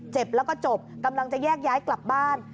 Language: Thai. เจ็บแล้วก็จบกำลังจะแยกย้ายกลับบ้าน